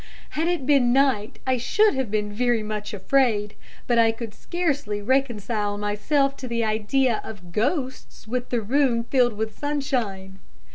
Had it been night I should have been very much afraid, but I could scarcely reconcile myself to the idea of ghosts with the room filled with sunshine.